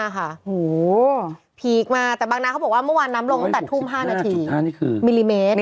โอ้โหพีคมาแต่บางนาเขาบอกว่าเมื่อวานน้ำลงตั้งแต่ทุ่ม๕นาทีมิลลิเมตร